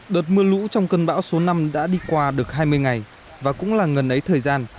đợt mưa lũ trong cơn bão số năm đã đi qua được hai mươi ngày và cũng là ngần ấy thời gian